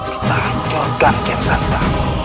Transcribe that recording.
kita hancurkan gensanta